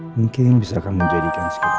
mungkin bisa kamu jadikan sekarang